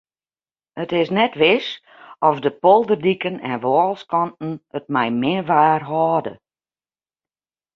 It is net wis oft de polderdiken en wâlskanten it mei min waar hâlde.